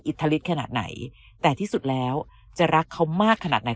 ทริสขนาดไหนแต่ที่สุดแล้วจะรักเขามากขนาดไหน